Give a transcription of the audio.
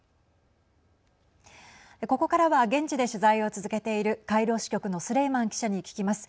ここからは現地で取材を続けているカイロ支局のスレイマン記者に聞きます。